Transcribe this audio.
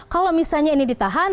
kalau misalnya ini ditahan